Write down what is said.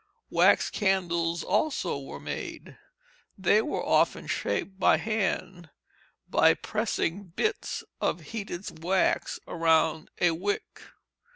Wax candles also were made. They were often shaped by hand, by pressing bits of heated wax around a wick.